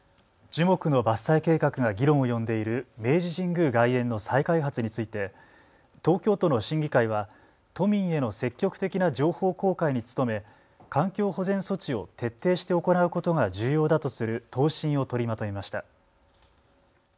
樹木の伐採計画が議論を呼んでいる明治神宮外苑の再開発について東京都の審議会は都民への積極的な情報公開に努め環境保全措置を徹底して行うことが重要だとする答申を取りまとめました。